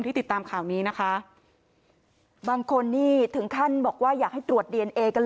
ติดตามข่าวนี้นะคะบางคนนี่ถึงขั้นบอกว่าอยากให้ตรวจดีเอนเอกันเลย